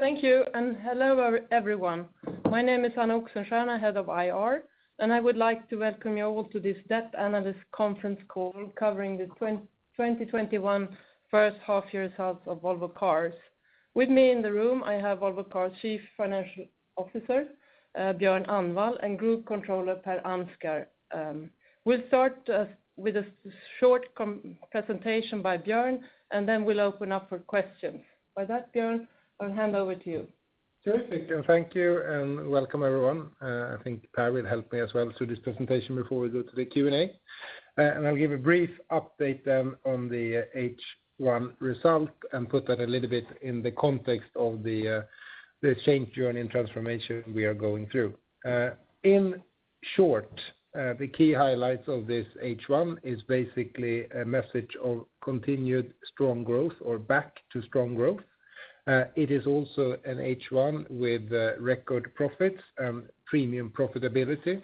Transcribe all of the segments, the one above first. Thank you, and hello everyone. My name is Anna Oxenstierna, Head of IR, and I would like to welcome you all to this debt analyst conference call covering the 2021 first-half-year results of Volvo Cars. With me in the room I have Volvo Cars Chief Financial Officer, Björn Annwall, and Group Controller Per Ansgar. We'll start with a short presentation by Björn, and then we'll open up for questions. With that, Björn, I'll hand over to you. Terrific. Thank you, and welcome everyone. I think Per will help me as well through this presentation before we go to the Q&A. I'll give a brief update then on the H1 result and put that a little bit in the context of the change journey and transformation we are going through. In short, the key highlights of this H1 is basically a message of continued strong growth or back to strong growth. It is also an H1 with record profits and premium profitability.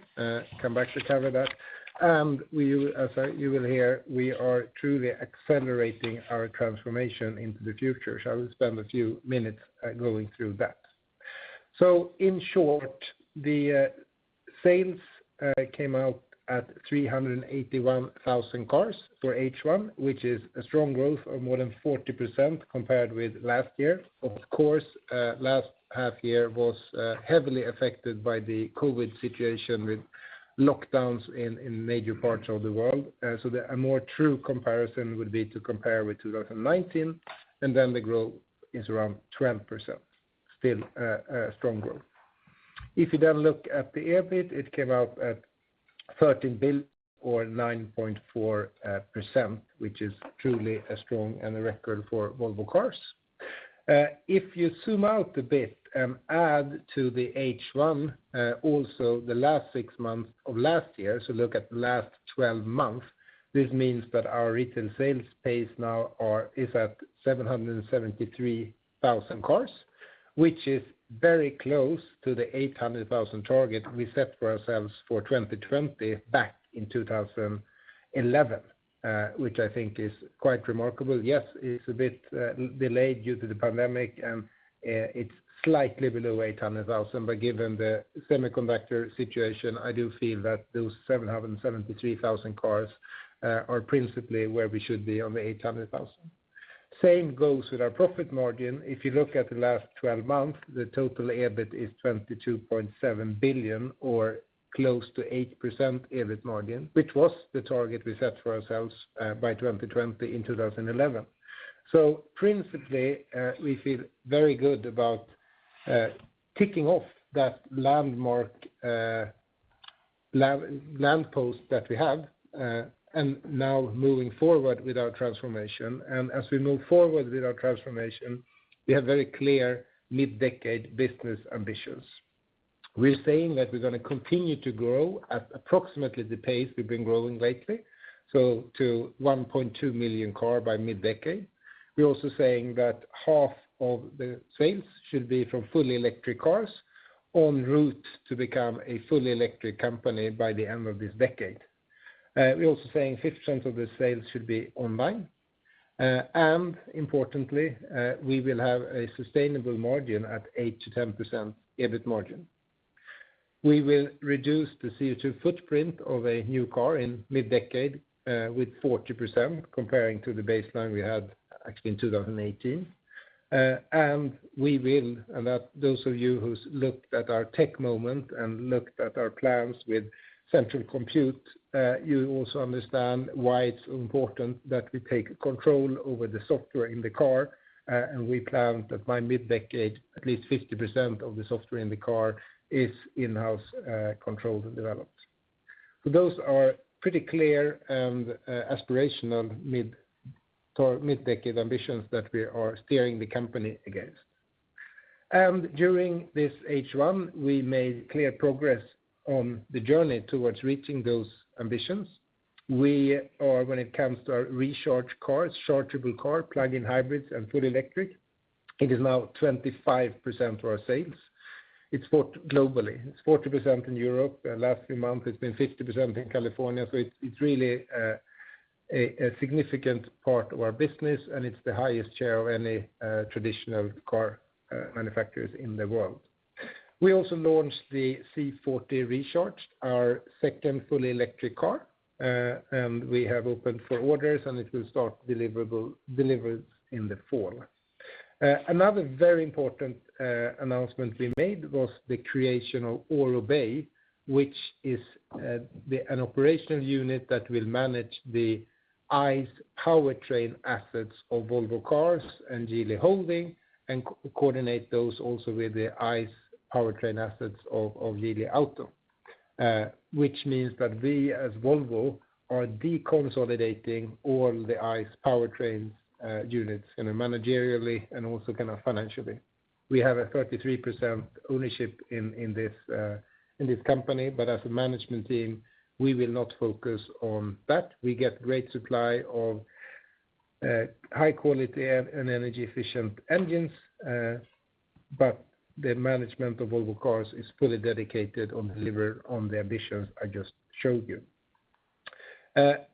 Come back to cover that. As you will hear, we are truly accelerating our transformation into the future. I will spend a few minutes going through that. In short, the sales came out at 381,000 cars for H1, which is a strong growth of more than 40% compared with last year. Of course, the last half-year was heavily affected by the COVID situation with lockdowns in major parts of the world. A more true comparison would be to compare with 2019, the growth is around 20%. A strong growth. If you look at the EBIT, it came out at 13 billion or 9.4%, which is truly a strong and a record for Volvo Cars. Zoom out a bit and add to the H1, also the last six months of last year, look at the last 12 months. This means that our retail sales pace now is at 773,000 cars, which is very close to the 800,000 target we set for ourselves for 2020 back in 2011, which I think is quite remarkable. Yes, it's a bit delayed due to the pandemic, and it's slightly below 800,000, but given the semiconductor situation, I do feel that those 773,000 cars are principally where we should be on the 800,000. Same goes with our profit margin. If you look at the last 12 months, the total EBIT is 22.7 billion or close to 8% EBIT margin, which was the target we set for ourselves by 2020 in 2011. Principally, we feel very good about ticking off that landmark post that we have, and now moving forward with our transformation. As we move forward with our transformation, we have very clear mid-decade business ambitions. We're saying that we're going to continue to grow at approximately the pace we've been growing lately. To 1.2 million cars by mid-decade. We're also saying that half of the sales should be from fully electric cars, on route to become a fully electric company by the end of this decade. We're also saying 50% of the sales should be online. Importantly, we will have a sustainable margin at 8%-10% EBIT margin. We will reduce the CO2 footprint of a new car in mid-decade with 40% comparing to the baseline we had actually in 2018. We will, and those of you who's looked at our Tech Moment and looked at our plans with central compute, you also understand why it's important that we take control over the software in the car. We plan that by mid-decade, at least 50% of the software in the car is in-house controlled and developed. Those are pretty clear and aspirational mid-decade ambitions that we are steering the company against. During this H1, we made clear progress on the journey towards reaching those ambitions. When it comes to our Recharge cars, chargeable cars, plug-in hybrids, and full electric, it is now 25% for our sales globally. It's 40% in Europe. Last few months, it's been 50% in California. It's really a significant part of our business, and it's the highest share of any traditional car manufacturer in the world. We also launched the C40 Recharge, our second fully electric car. We have opened for orders, and deliveries will start in the fall. Another very important announcement we made was the creation of Aurobay, which is an operational unit that will manage the ICE powertrain assets of Volvo Cars and Geely Holding and coordinate those also with the ICE powertrain assets of Geely Auto. Which means that we, as Volvo, are deconsolidating all the ICE powertrain units, managerially and also financially. We have a 33% ownership in this company, but as a management team, we will not focus on that. We get a great supply of high-quality and energy-efficient engines. The management of Volvo Cars is fully dedicated on delivering on the ambitions I just showed you.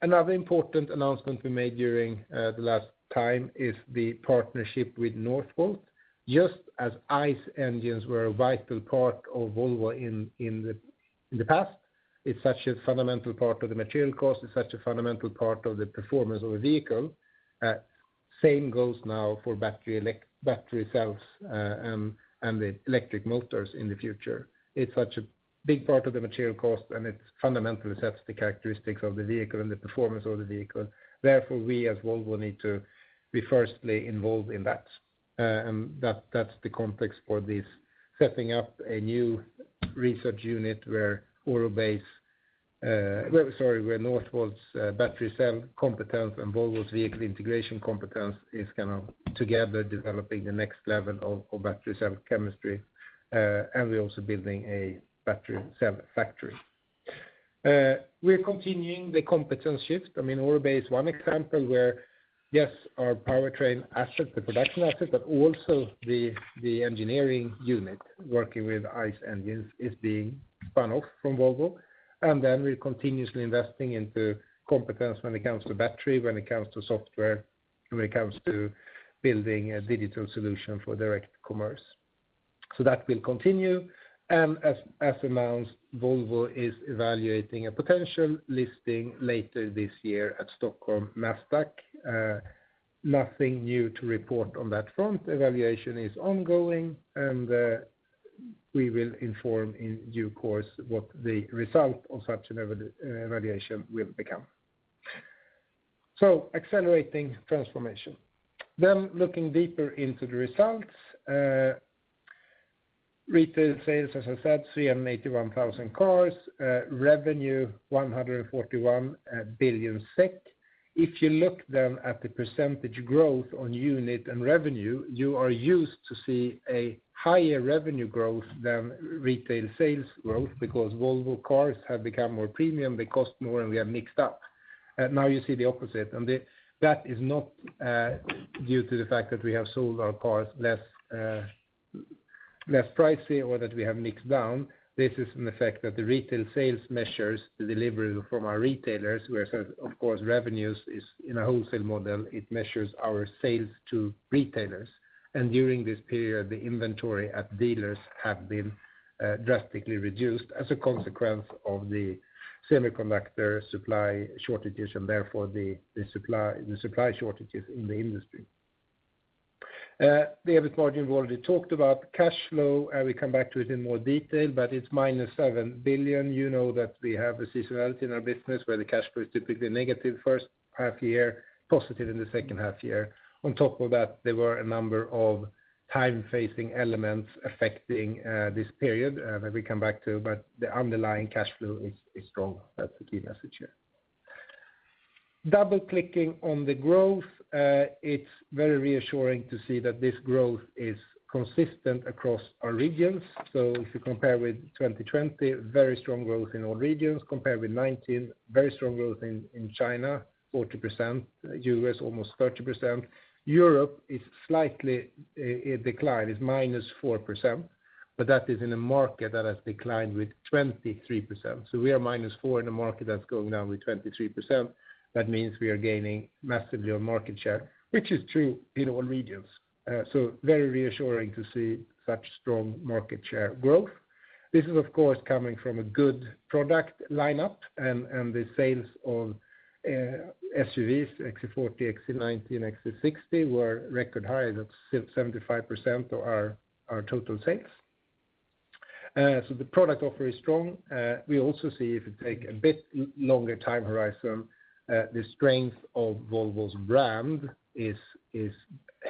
Another important announcement we made during the last time is the partnership with Northvolt. Just as ICE engines were a vital part of Volvo in the past, it's such a fundamental part of the material cost, it's such a fundamental part of the performance of a vehicle. Same goes now for battery cells and the electric motors in the future. It's such a big part of the material cost, and it fundamentally sets the characteristics of the vehicle and the performance of the vehicle. Therefore, we, as Volvo, need to be first involved in that. That's the context for this, setting up a new research unit where Northvolt's battery cell competence and Volvo's vehicle integration competence is together developing the next level of battery cell chemistry. We're also building a battery cell factory. We're continuing the competence shift. Aurobay, one example where, yes, our powertrain asset, the production asset, but also the engineering unit working with ICE engines, is being spun off from Volvo. We're continuously investing into competence when it comes to battery, when it comes to software, when it comes to building a digital solution for direct commerce. That will continue. As announced, Volvo is evaluating a potential listing later this year at Nasdaq Stockholm. Nothing new to report on that front. Evaluation is ongoing. We will inform in due course what the result of such an evaluation will become. Accelerating transformation. Looking deeper into the results. Retail sales, as I said, 381,000 cars. Revenue, 141 billion SEK. If you look then at the percentage growth on unit and revenue, you are used to see a higher revenue growth than retail sales growth because Volvo Cars have become more premium, they cost more, and we have mixed up. Now you see the opposite. That is not due to the fact that we have sold our cars less pricey or that we have mixed down. This is an effect that the retail sales measure the delivery from our retailers, whereas, of course, revenues is in a wholesale model. It measures our sales to retailers. During this period, the inventory at dealers have been drastically reduced as a consequence of the semiconductor supply shortages and therefore the supply shortages in the industry. The EBIT margin, we've already talked about. Cash flow, we come back to it in more detail, but it's -7 billion. You know that we have a seasonality in our business where the cash flow is typically negative first half year, positive in the second half year. There were a number of time-phasing elements affecting this period that we come back to, but the underlying cash flow is strong. That's the key message here. Double-clicking on the growth, it's very reassuring to see that this growth is consistent across our regions. If you compare with 2020, very strong growth in all regions. Compared with 2019, very strong growth in China, 40%, U.S., almost 30%. Europe is slightly declined, it's -4%, that is in a market that has declined with 23%. We are -4% in a market that's going down with 23%. That means we are gaining massively on market share, which is true in all regions. Very reassuring to see such strong market share growth. This is, of course, coming from a good product lineup, and the sales of SUVs, XC40, XC90, and XC60 were record high. That's still 75% of our total sales. The product offer is strong. We also see if you take a bit longer time horizon, the strength of Volvo's brand is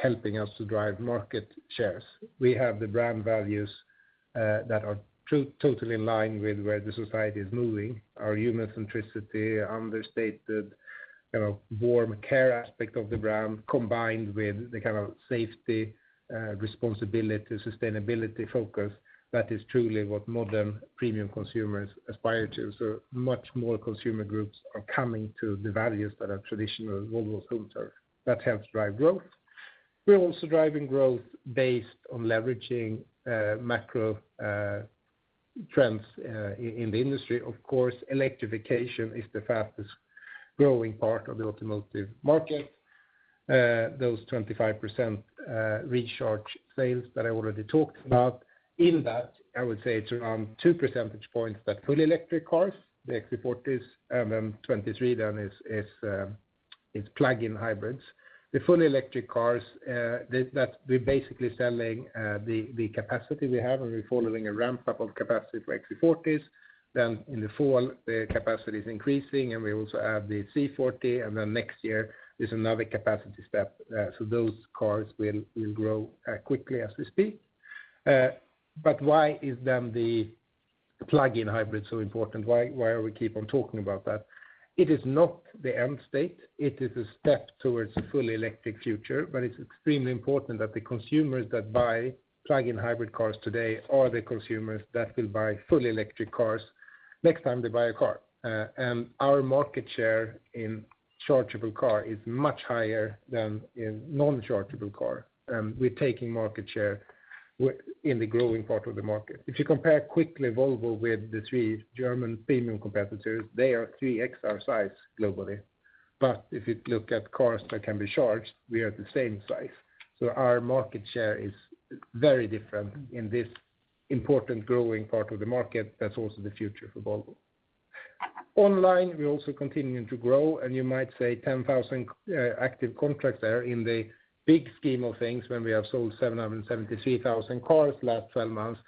helping us to drive market shares. We have the brand values that are totally in line with where the society is moving. Our human centricity, understated, warm care aspect of the brand, combined with the kind of safety, responsibility, sustainability focus, that is truly what modern premium consumers aspire to. Much more consumer groups are coming to the values that are the traditional Volvo pillar. That helps drive growth. We're also driving growth based on leveraging macro trends in the industry. Of course, electrification is the fastest-growing part of the automotive market. Those 25% Recharge sales that I already talked about. In that, I would say it's around two percentage points that fully electric cars, the XC40s, and then 23% then is plug-in hybrids. The fully electric cars, we're basically selling the capacity we have, and we're following a ramp-up of capacity for XC40s. In the fall, the capacity is increasing, and we also have the C40, and then next year there's another capacity step. Those cars will grow quickly as we speak. Why is the plug-in hybrid so important? Why we keep on talking about that? It is not the end state. It is a step towards a fully electric future, but it's extremely important that the consumers that buy plug-in hybrid cars today are the consumers that will buy fully electric cars next time they buy a car. Our market share in chargeable cars is much higher than in non-chargeable cars. We're taking market share in the growing part of the market. If you compare Volvo quickly with the three German premium competitors, they are 3x our size globally. If you look at cars that can be charged, we are the same size. Our market share is very different in this important, growing part of the market. That's also the future for Volvo. Online, we're also continuing to grow. You might say 10,000 active contracts there in the big scheme of things, when we have sold 773,000 cars last 12 months.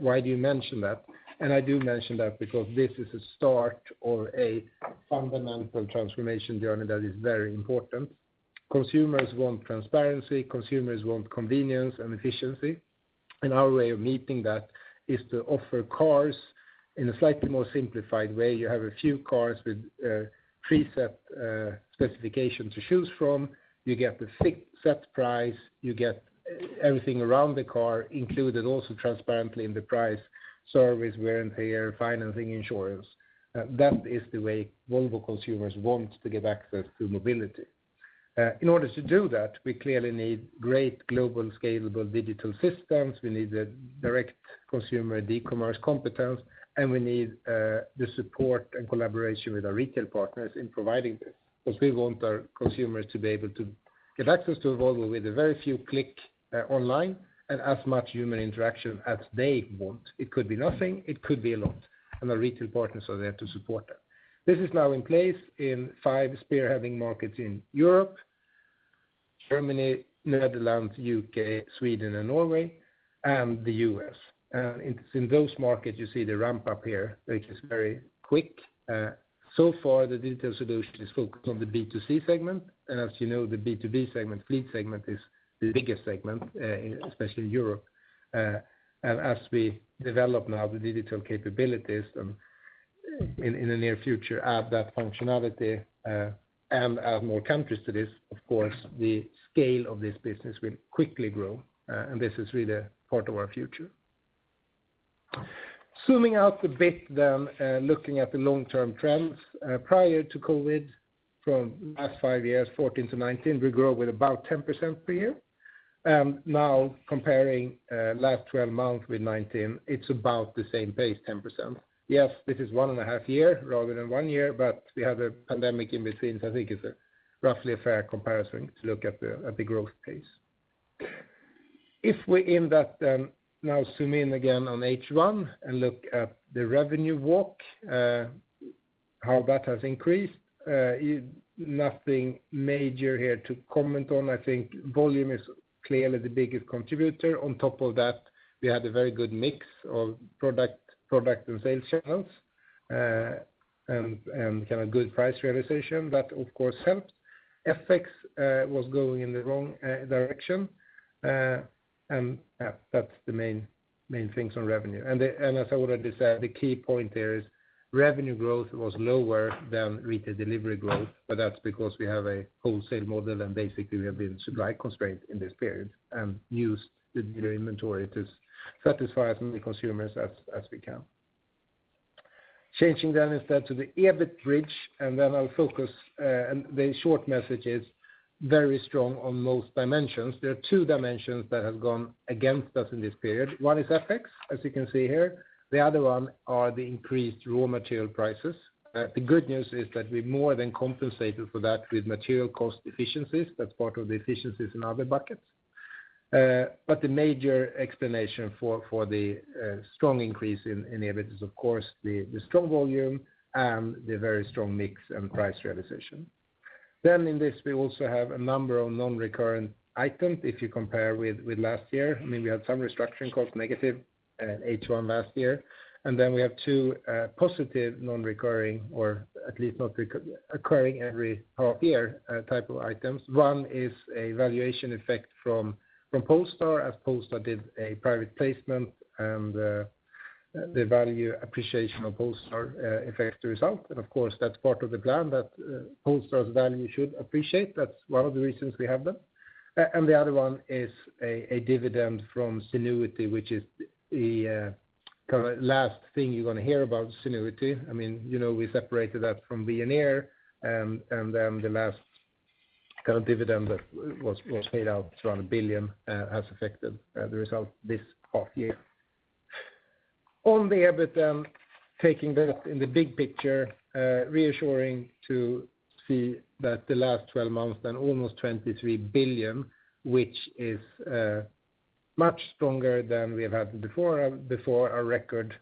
Why do you mention that? I do mention that because this is a start of a fundamental transformation journey that is very important. Consumers want transparency, consumers want convenience, and efficiency. Our way of meeting that is to offer cars in a slightly more simplified way. You have a few cars with preset specifications to choose from. You get the fixed set price. You get everything around the car included, also transparently in the price, service, warranty, or financing insurance. That is the way Volvo consumers want to get access to mobility. In order to do that, we clearly need great global scalable digital systems. We need the direct consumer e-commerce competence, and we need the support and collaboration with our retail partners in providing this, because we want our consumers to be able to get access to Volvo with a very few clicks online and as much human interaction as they want. It could be nothing, it could be a lot, and our retail partners are there to support that. This is now in place in five spearheading markets in Europe, Germany, Netherlands, U.K., Sweden, and Norway, and the U.S. In those markets, you see the ramp-up here, which is very quick. So far, the digital solution is focused on the B2C segment. As you know, the B2B segment, fleet segment, is the biggest segment, especially in Europe. As we develop now the digital capabilities and in the near future add that functionality, add more countries to this, of course, the scale of this business will quickly grow. This is really part of our future. Zooming out a bit, looking at the long-term trends, prior to COVID, from the last five years, 2014 to 2019, we grew with about 10% per year. Now, comparing the last 12 months with 2019, it's about the same pace, 10%. Yes, this is one and a half years rather than one year, but we have a pandemic in between. I think it's roughly a fair comparison to look at the growth pace. If we end that, now zoom in again on H1 and look at the revenue walk, how that has increased. Nothing major here to comment on. I think volume is clearly the biggest contributor. On top of that, we had a very good mix of products and sales channels, and good price realization. That, of course, helped. FX was going in the wrong direction. That's the main thing on revenue. As I already said, the key point there is revenue growth was lower than retail delivery growth, that's because we have a wholesale model, and basically, we have been supply-constrained in this period and used the dealer inventory to satisfy as many consumers as we can. Changing instead to the EBIT bridge, I'll focus. The short message is very strong on most dimensions. There are two dimensions that have gone against us in this period. One is FX, as you can see here. The other one are the increased raw material prices. The good news is that we more than compensated for that with material cost efficiencies. That's part of the efficiencies in other buckets. The major explanation for the strong increase in EBIT is, of course, the strong volume and the very strong mix and price realization. In this, we also have a number of non-recurrent items if you compare with last year. We had some restructuring costs negative H1 last year. We have two positive non-recurring, or at least not occurring every half year, types of items. One is a valuation effect from Polestar, as Polestar did a private placement, and the value appreciation of Polestar affects the result. Of course, that's part of the plan that Polestar's value should appreciate. That's one of the reasons we have them. The other one is a dividend from Zenuity, which is the last thing you're going to hear about Zenuity. We separated that from Veoneer, and then the last dividend that was paid out, it's around 1 billion, has affected the result for this half year. On the EBIT, then, taking this in the big picture, reassuring to see that the last 12 months then almost 23 billion, which is much stronger than we have had before. Before our record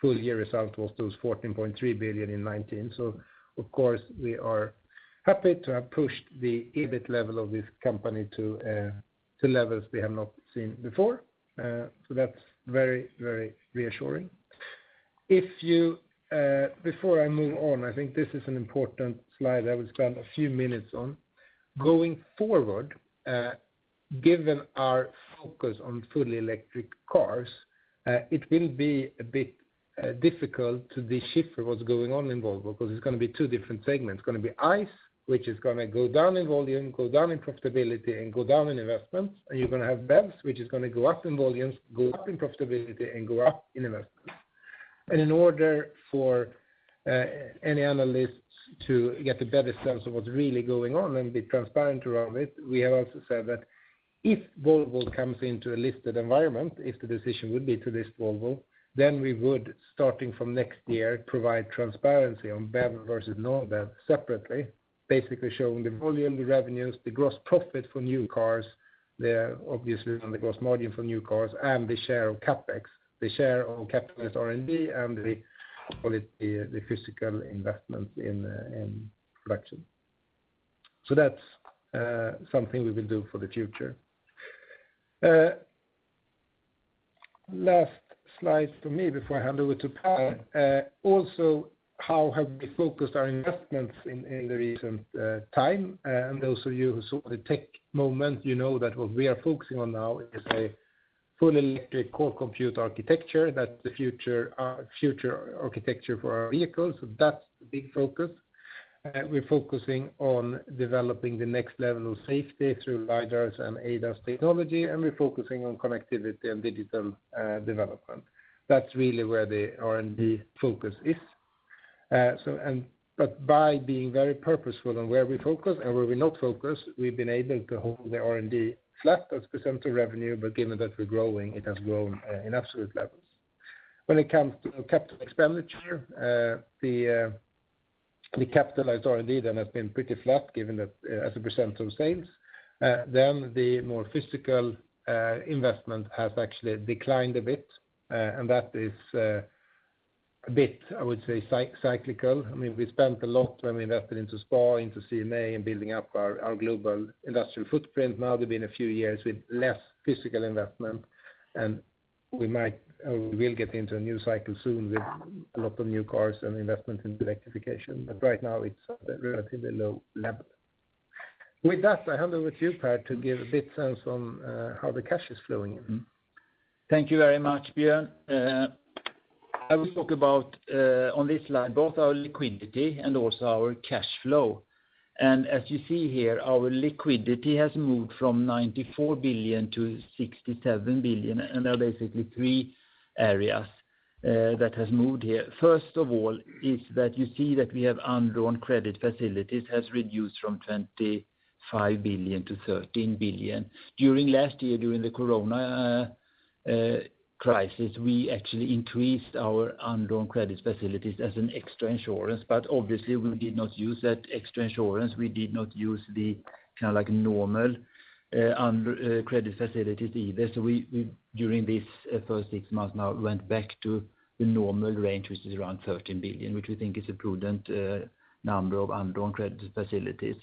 full-year result was 14.3 billion in 2019. Of course, we are happy to have pushed the EBIT level of this company to levels we have not seen before. That's very reassuring. Before I move on, I think this is an important slide I will spend a few minutes on. Going forward, given our focus on fully electric cars, it will be a bit difficult to shift what's going on in Volvo, because it's going to be two different segments. It's going to be ICE, which is going to go down in volume, go down in profitability, and go down in investments. You're going to have BEVs, which is going to go up in volumes, go up in profitability, and go up in investments. In order for any analysts to get a better sense of what's really going on and be transparent around it, we have also said that if Volvo comes into a listed environment, if the decision would be to list Volvo, then we would, starting from next year, provide transparency on BEV versus non-BEV separately, basically showing the volume, the revenues, the gross profit for new cars there, obviously, on the gross margin for new cars and the share of CapEx, the share on capitalized R&D, and we call it the physical investment in production. That's something we will do for the future. Last slide for me before I hand over to Per. How have we focused our investments in the recent times? And also, you who saw the Tech Moment, you know that what we are focusing on now is a full electric core compute architecture. That's the future architecture for our vehicles. That's the big focus. We're focusing on developing the next level of safety through lidars and ADAS technology, and we're focusing on connectivity and digital development. That's really where the R&D focus is. By being very purposeful on where we focus and where we do not focus, we've been able to hold the R&D flat as a percent of revenue, but given that we're growing, it has grown in absolute levels. When it comes to capital expenditure, we capitalize R&D, that has been pretty flat as a percent of sales. The more physical investment has actually declined a bit, and that is a bit, I would say, cyclical. We spent a lot when we invested in SPA, in CMA, and in building up our global industrial footprint. There's been a few years with less physical investment, and we will get into a new cycle soon with a lot of new cars and investment in electrification. Right now, it's at a relatively low level. With that, I hand over to you, Per, to give a bit of sense on how the cash is flowing. Thank you very much, Björn. I will talk about, on this slide, both our liquidity and also our cash flow. As you see here, our liquidity has moved from 94 billion to 67 billion, and there are basically three areas that has moved here. First of all, is that you see that we have undrawn credit facilities has reduced from 25 billion to 13 billion. During last year, during the Corona crisis, we actually increased our undrawn credit facilities as an extra insurance; obviously, we did not use that extra insurance. We did not use the normal credit facilities either. We, during these first six months, now went back to the normal range, which is around 13 billion, which we think is a prudent number of undrawn credit facilities.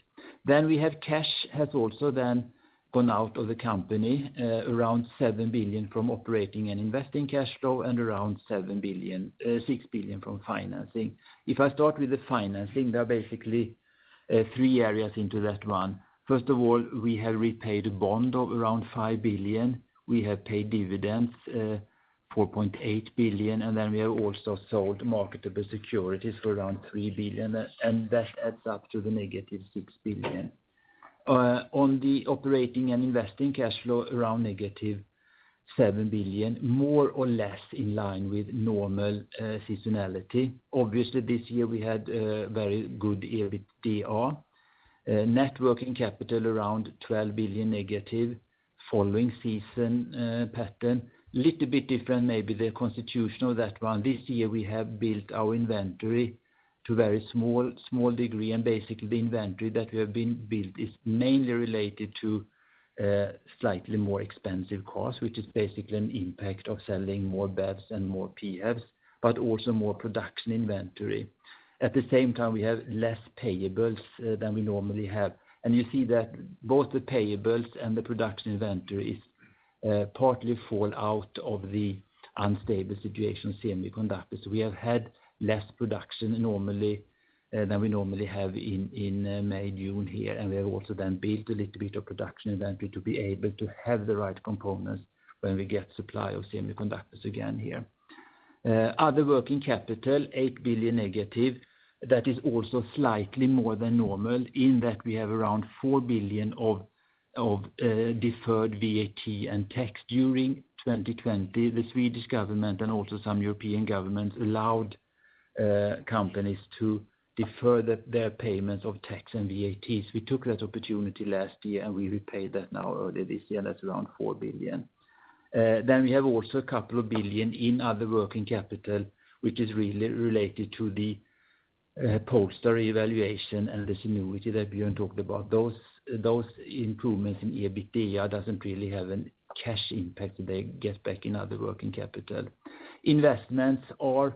We have cash has also then gone out of the company, around 7 billion from operating and investing cash flow, and around 6 billion from financing. If I start with the financing, there are basically three areas into that one. First of all, we have repaid a bond of around 5 billion. We have paid dividends, 4.8 billion, and then we have also sold marketable securities for around 3 billion, and that adds up to the -6 billion. On the operating and investing cash flow, around -7 billion, more or less in line with normal seasonality. Obviously, this year we had a very good year with DR. Net working capital around -12 billion, following the season pattern, a little bit different, maybe the constitution of that one. This year, we have built our inventory to a very small degree, and basically, the inventory that we have built is mainly related to slightly more expensive cars, which is basically an impact of selling more BEVs and more PHEVs, but also more production inventory. At the same time, we have less payables than we normally have. You see that both the payables and the production inventory partly fall out of the unstable situation of semiconductors. We have had less production than we normally have in May and June here. We have also then built a little bit of production inventory to be able to have the right components when we get a supply of semiconductors again here. Other working capital, -8 billion. That is also slightly more than normal in that we have around 4 billion of deferred VAT and tax. During 2020, the Swedish government and also some European governments allowed companies to defer their payments of tax and VAT. We took that opportunity last year, and we repaid that now, earlier this year. That's around 4 billion. We also have a couple of billion in other working capital, which is really related to the Polestar evaluation and the Zenuity that Björn talked about. Those improvements in EBITDA doesn't really have a cash impact. They get back in other working capital. Investments are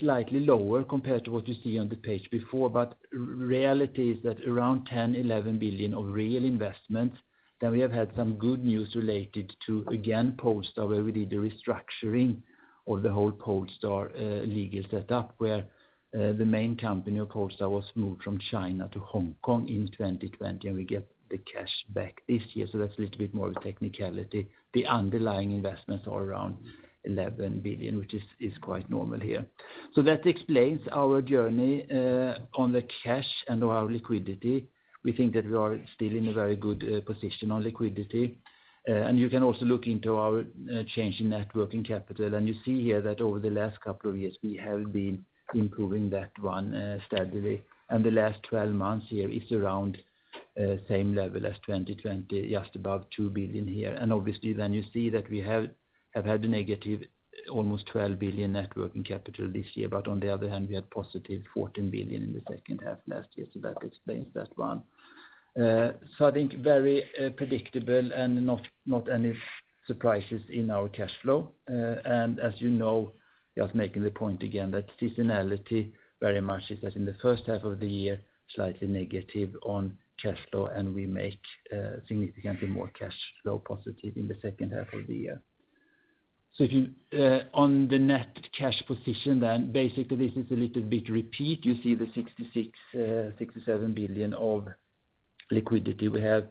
slightly lower compared to what you see on the page before; reality is that around 10 billion-11 billion of real investments. We have had some good news related to, again, Polestar, where we did the restructuring of the whole Polestar legal setup, where the main company of Polestar was moved from China to Hong Kong in 2020, and we got the cash back this year. That's a little bit more of a technicality. The underlying investments are around 11 billion, which is quite normal here. That explains our journey on the cash and our liquidity. We think that we are still in a very good position on liquidity. You can also look into our change in net working capital. You see here that over the last couple of years, we have been improving that one steadily. Same level as 2020, just above 2 billion here. Obviously, then you see that we have had a, almost -12 billion net working capital this year. On the other hand, we had +14 billion in the second half last year, so that explains that one. I think very predictable and not any surprises in our cash flow. As you know, just making the point again that seasonality very much is that in the first half of the year, slightly negative on cash flow, and we make significantly more cash flow positive in the second half of the year. If you on the net cash position, then basically this is a little bit repeat. You see the 66 billion, 67 billion of liquidity we have.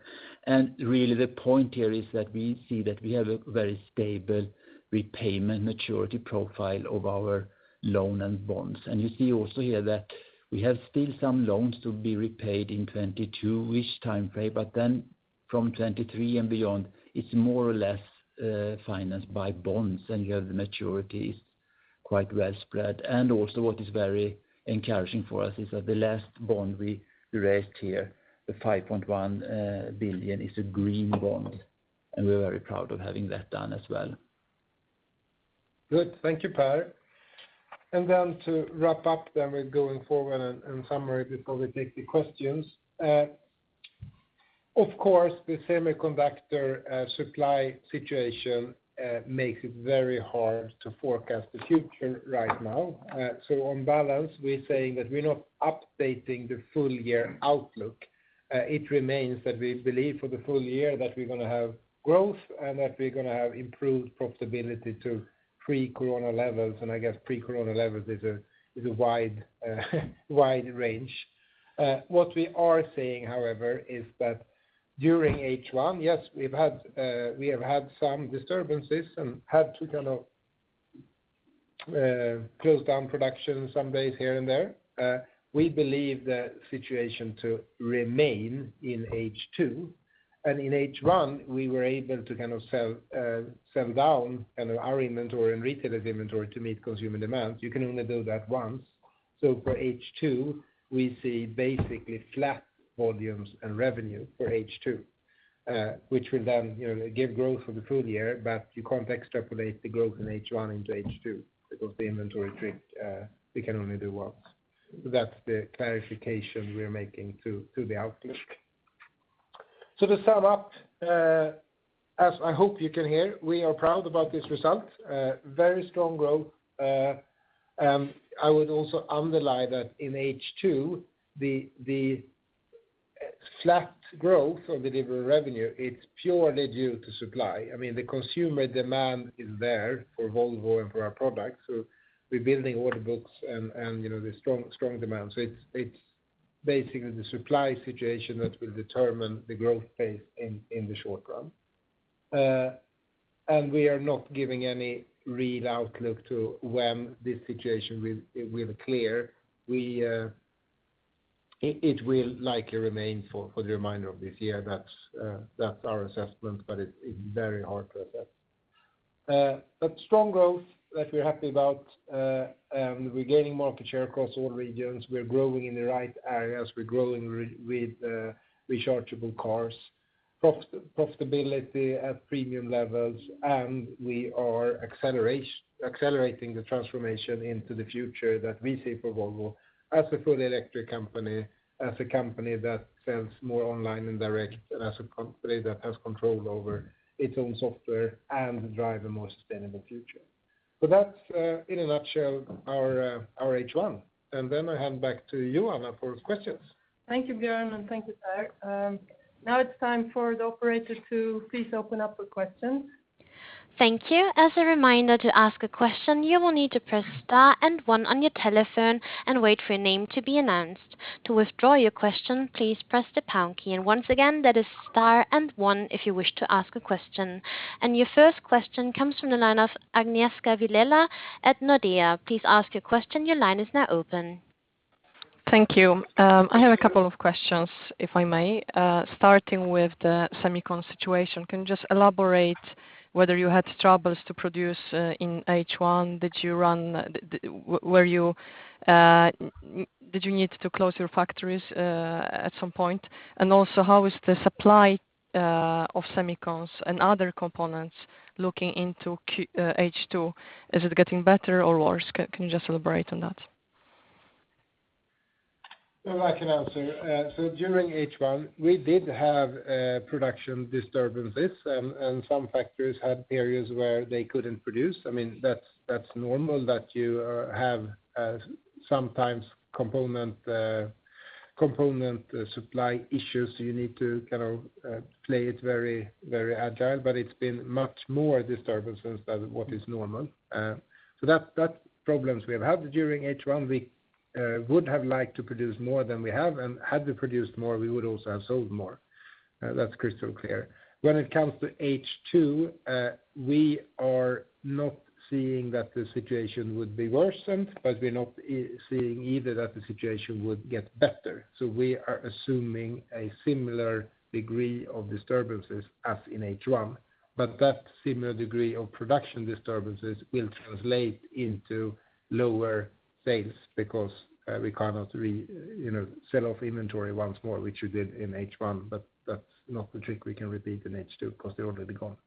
Really, the point here is that we see that we have a very stable repayment maturity profile of our loans and bonds. You also see here that we have still some loans to be repaid in a 2022-ish time frame, but then from 2023 and beyond, it's more or less financed by bonds, and you have the maturities quite well spread. Also, what is very encouraging for us is that the last bond we raised here, the 5.1 billion, is a green bond, and we're very proud of having that done as well. Thank you, Per. To wrap up, we are going forward and summarize before we take the questions. Of course, the semiconductor supply situation makes it very hard to forecast the future right now. On balance, we are saying that we are not updating the full-year outlook. It remains that we believe for the full year that we are going to have growth and that we are going to have improved profitability to pre-coronavirus levels. I guess pre-coronavirus levels is a wide range. What we are seeing, however, is that during H1, yes, we have had some disturbances and had to close down production some days here and there. We believe the situation to remain in H2. In H1, we were able to sell down our inventory and retailers' inventory to meet consumer demands. You can only do that once. For H2, we see basically flat volumes and revenue for H2, which will then give growth for the full year. You can't extrapolate the growth in H1 into H2 because the inventory trick, we can only do once. That's the clarification we are making to the outlook. To sum up, as I hope you can hear, we are proud about this result. Very strong growth. I would also underline that in H2, the flat growth of the delivery revenue it's purely due to supply. I mean, the consumer demand is there for Volvo and for our products. We're building order books, and there's strong demand. It's basically the supply situation that will determine the growth pace in the short run. We are not giving any real outlook to when this situation will clear. It will likely remain for the remainder of this year. That's our assessment, but it's very hard to assess. Strong growth that we're happy about. We're gaining market share across all regions. We are growing in the right areas. We're growing with rechargeable cars. Profitability at premium levels. We are accelerating the transformation into the future that we see for Volvo as a full electric company, as a company that sells more online and direct, and as a company that has control over its own software and drives a more sustainable future. That's, in a nutshell, our H1. I hand back to you, Anna, for questions. Thank you, Björn, and thank you, Per. It's time for the operator to please open up for questions. Thank you. As a reminder to ask a question, you will need to press star and one on your telephone and wait for your name to be announced. To withdraw your question, please press the pound key. And once again, that is star and one if you wish to ask a question. Your first question comes from the line of Agnieszka Vilela at Nordea. Please ask your question. Your line is now open. Thank you. I have a couple of questions, if I may. Starting with the semicon situation, can you just elaborate whether you had troubles to produce in H1? Did you need to close your factories at some point? How is the supply of semicon and other components looking into H2? Is it getting better or worse? Can you just elaborate on that? Well, I can answer. During H1, we did have production disturbances, and some factories had areas where they couldn't produce. That's normal that you have sometimes component supply issues, so you need to play it very agile, but it's been much more disturbances than what is normal. That's problems we have had during H1. We would have liked to produce more than we have, and had we produced more, we would also have sold more. That's crystal clear. When it comes to H2, we are not seeing that the situation would be worsened, but we are not seeing either that the situation would get better. We are assuming a similar degree of disturbances as in H1, but that a similar degree of production disturbances will translate into lower sales because we cannot resell off inventory once more, which we did in H1, but that's not a trick we can repeat in H2 because they're already gone.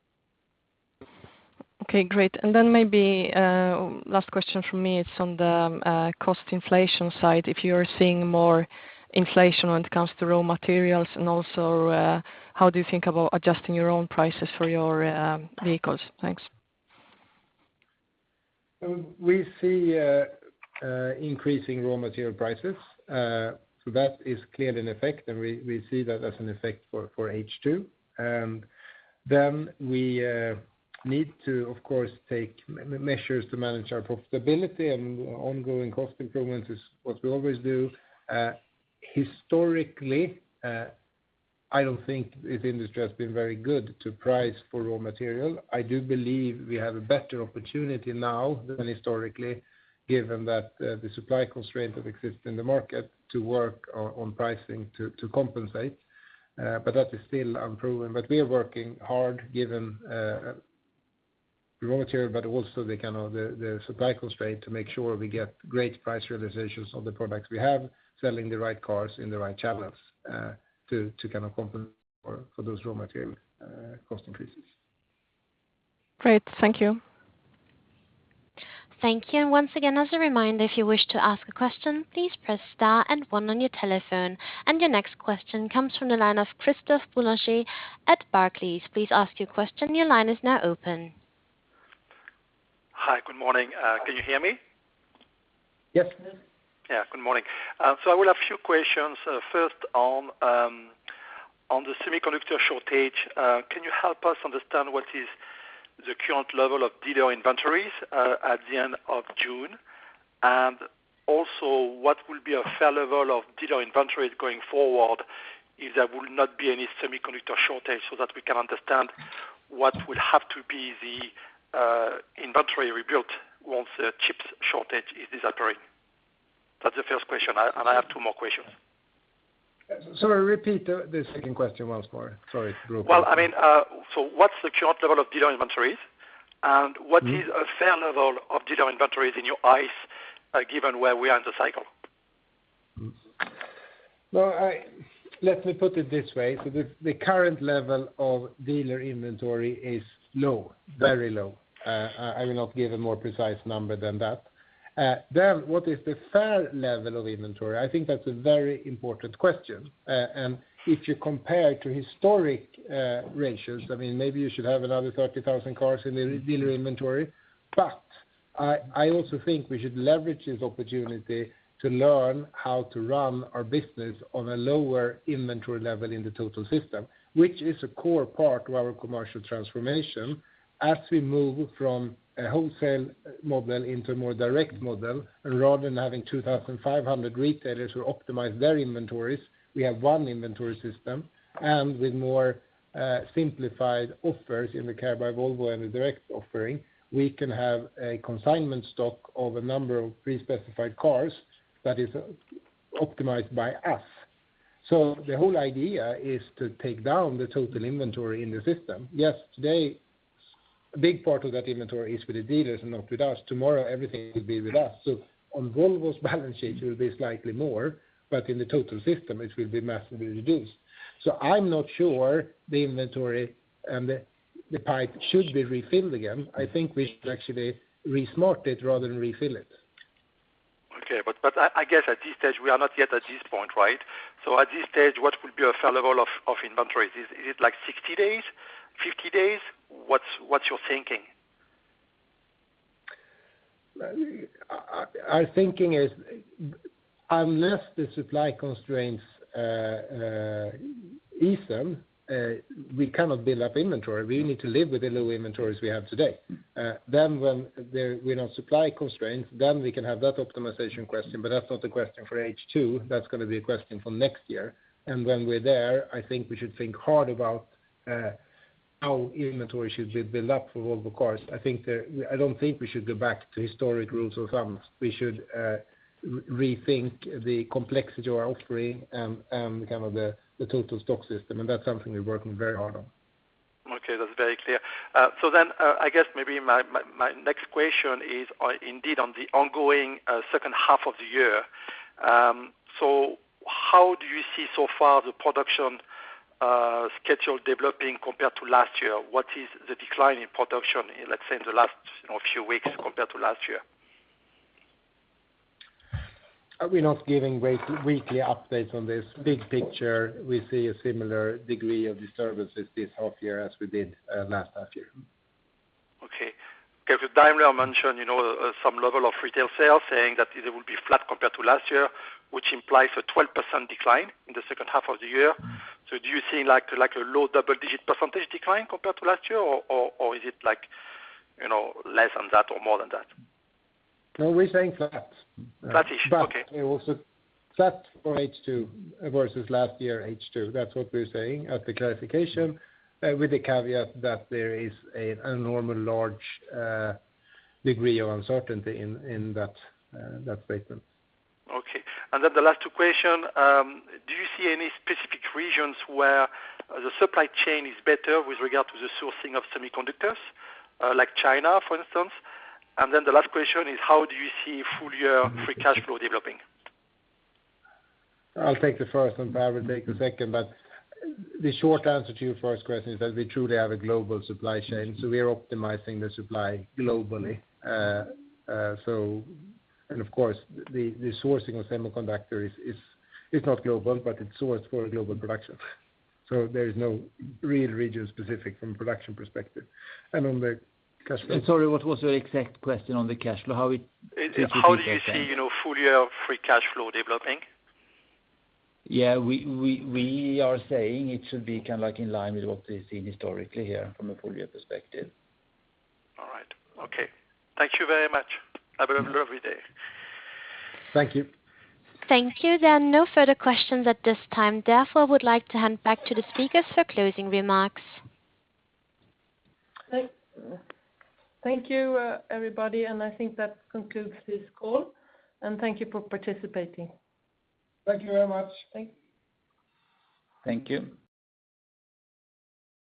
Okay, great. Maybe last question from me, it's on the cost inflation side. If you are seeing more inflation when it comes to raw materials, and also how do you think about adjusting your own prices for your vehicles? Thanks. We see increasing raw material prices. That is clearly an effect, and we see that as an effect for H2. Then we need to, of course, take measures to manage our profitability, and ongoing cost improvements is what we always do. Historically, I don't think this industry has been very good to price for raw material. I do believe we have a better opportunity now than historically, given that the supply constraint that exists in the market to work on pricing to compensate. That is still unproven. We are working hard, given the raw material, but also the supply constraint, to make sure we get great price realizations on the products we have, selling the right cars in the right channels, to compensate for those raw material cost increases. Great. Thank you. Thank you. Once again, as a reminder, if you wish to ask a question, please press star and one on your telephone. Your next question comes from the line of Christophe Boulanger at Barclays. Please ask your question. Your line is now open. Hi. Good morning. Can you hear me? Yes. Yeah, good morning. I will have a few questions. First, on the semiconductor shortage, can you help us understand what is the current level of dealer inventories, at the end of June? What will be a fair level of dealer inventories going forward if there will not be any semiconductor shortage, so that we can understand what will have to be the inventory rebuilt once the chip shortage is disappearing. That's the first question, and I have two more questions. Sorry, repeat the second question once more. Sorry, it broke up. Well, what's the current level of dealer inventories, and what is a fair level of dealer inventories in your eyes, given where we are in the cycle? Well, let me put it this way. The current level of dealer inventory is low, very low. I will not give a more precise number than that. What is the fair level of inventory? I think that's a very important question. If you compare to historic ratios, maybe you should have another 30,000 cars in the dealer inventory. I also think we should leverage this opportunity to learn how to run our business on a lower inventory level in the total system. Which is a core part of our commercial transformation as we move from a wholesale model into a more direct model. Rather than having 2,500 retailers who optimize their inventories, we have one inventory system. With more simplified offers in the Care by Volvo and the direct offering, we can have a consignment stock of a number of pre-specified cars that is optimized by us. The whole idea is to take down the total inventory in the system. Yes, today, a big part of that inventory is with the dealers and not with us. Tomorrow, everything will be with us. On Volvo's balance sheet, it will be slightly more, but in the total system, it will be massively reduced. I'm not sure the inventory and the pipe should be refilled again. I think we should actually re-smart it rather than refill it. Okay. I guess at this stage, we are not yet at this point, right? At this stage, what will be a fair level of inventory? Is it like 60 days? 50 days? What's your thinking? Our thinking is, unless the supply constraints ease then, we cannot build up inventory. We need to live with the low inventories we have today. When there are no supply constraints, then we can have that optimization question. That's not a question for H2; that's going to be a question for next year. When we're there, I think we should think hard about how inventory should be built up for Volvo Cars. I don't think we should go back to historic rules of thumbs. We should rethink the complexity of our offering and the total stock system. That's something we're working very hard on. Okay. That's very clear. I guess maybe my next question is indeed on the ongoing second half of the year. How do you see the production schedule developing so far compared to last year? What is the decline in production in, let's say, the last few weeks compared to last year? We're not giving weekly updates on this. Big picture, we see a similar degree of disturbances this half year as we did last half year. Okay. Daimler mentioned some level of retail sales, saying that it will be flat compared to last year, which implies a 12% decline in the second half of the year. Do you see a low double-digit percentage decline compared to last year? Is it less than that or more than that? No, we're saying flat. Flat-ish. Okay. It will be flat for H2 versus last year's H2. That's what we're saying as the clarification, with the caveat that there is an enormous large degree of uncertainty in that statement. Okay. Then the last two questions, do you see any specific regions where the supply chain is better with regard to the sourcing of semiconductors, like China, for instance? Then the last question is, how do you see full-year free cash flow developing? I'll take the first one. Per will take the second. The short answer to your first question is that we truly have a global supply chain, so we are optimizing the supply globally. Of course, the sourcing of semiconductors is not global, but it's sourced for a global production. There is no real region-specific from a production perspective. On the cash flow- Sorry, what was your exact question on the cash flow? How it- How do you see full-year free cash flow developing? Yeah, we are saying it should be in line with what we've seen historically here from a full-year perspective. All right. Okay. Thank you very much. Have a lovely day. Thank you. Thank you. There are no further questions at this time. I would like to hand back to the speakers for closing remarks. Thank you, everybody, and I think that concludes this call. Thank you for participating. Thank you very much. Thanks. Thank you.